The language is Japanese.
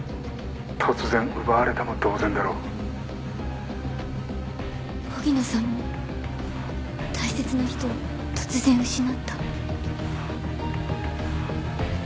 「突然奪われたも同然だろう」荻野さんも大切な人を突然失った。